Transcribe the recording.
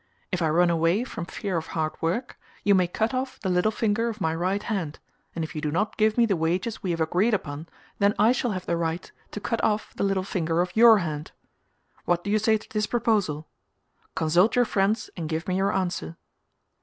If I run away from fear of hard work you may cut off the little finger of my right hand, and if you do not give me the wages we have agreed upon then I shall have the right to cut off the little finger of your hand. What do you say to this proposal: consult your friends and give me your answer."